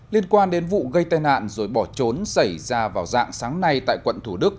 liên quan đến vụ gây tai nạn rồi bỏ trốn xảy ra vào dạng sáng nay tại quận thủ đức